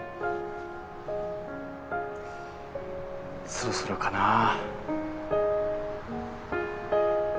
そろそろかなぁ？